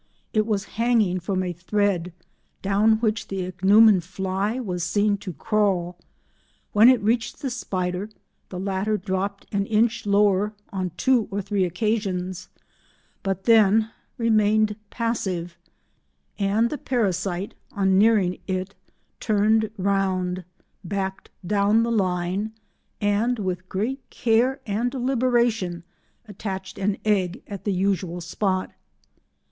It was hanging from a thread, down which the Ichneumon fly was seen to crawl. When it reached the spider the latter dropped an inch lower on two or three occasions but then remained passive, and the parasite on nearing it, turned round, backed down the line, and with great care and deliberation attached an egg at the usual spot.